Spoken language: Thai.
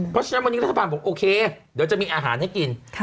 เพราะฉะนั้นวันนี้รัฐบาลบอกโอเคเดี๋ยวจะมีอาหารให้กิน